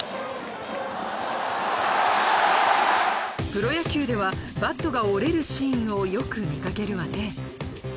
プロ野球ではバットが折れるシーンをよく見掛けるわね。